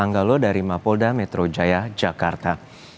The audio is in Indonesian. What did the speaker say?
angga loh dari mapolda metro jaya jakarta